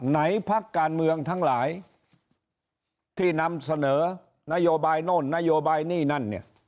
ไหนภักดิ์การเมืองทั้งหลายที่นำเสนอนโยบายโน่นนโยบายนี่นั่น